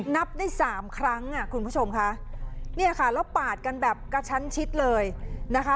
นับได้สามครั้งอ่ะคุณผู้ชมค่ะเนี่ยค่ะแล้วปาดกันแบบกระชั้นชิดเลยนะคะ